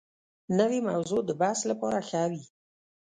نوې موضوع د بحث لپاره ښه وي